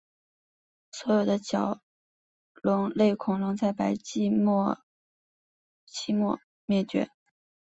所有的角龙类恐龙在白垩纪末期灭绝。